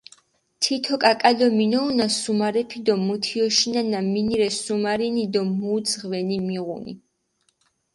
თითო კაკალო მინმოჸუნა სუმარეფი დო მჷთიოშინანა, მინი რე სუმარინი დო მუ ძღვენი მიღუნი.